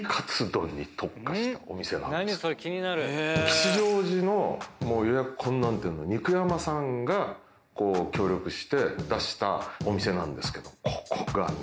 吉祥寺の予約困難店の「肉山」さんが協力して出したお店なんですけどここがね。